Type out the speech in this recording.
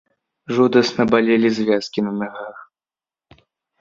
Жудасна балелі звязкі на нагах.